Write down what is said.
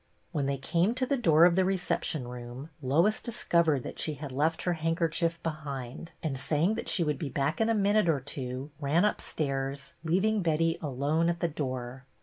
When they came to the door of the recep tion room, Lois discovered that she had left her handkerchief behind and, saying that she would be back in a minute or two, ran upstairs, leaving Betty alone at the door.